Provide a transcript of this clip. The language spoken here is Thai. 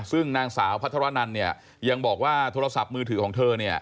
ซึ่งนางสาวพระธรรณันยังบอกว่าโทรศัพท์มือถือของเธอ